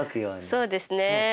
そうですね。